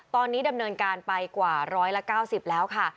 ตอนนี้ดำเนินการไปกว่าร้อยละเก้าสิบแล้วค่ะ